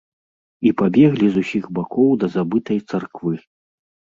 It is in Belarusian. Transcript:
І пабеглі з усіх бакоў да забытай царквы.